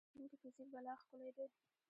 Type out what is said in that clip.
د راتلونکي فزیک به لا ښکلی دی.